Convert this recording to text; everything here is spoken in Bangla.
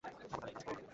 খবরদার একাজ কোরো না।